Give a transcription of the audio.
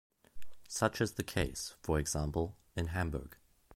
Such is the case, for example, in Hamburg.